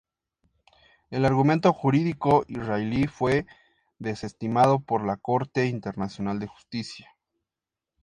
El argumento jurídico israelí fue desestimado por la Corte Internacional de Justicia.